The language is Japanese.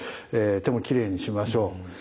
手もきれいにしましょう。